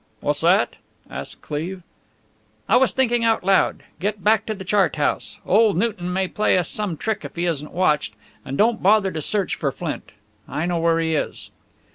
"What's that?" asked Cleve. "I was thinking out loud. Get back to the chart house. Old Newton may play us some trick if he isn't watched. And don't bother to search for Flint. I know where he is."